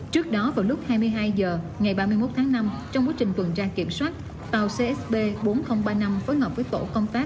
trước đó vào lúc hai mươi hai h ngày ba mươi một tháng năm trong quá trình tuần tra kiểm soát tàu csb bốn nghìn ba mươi năm phối hợp với tổ công tác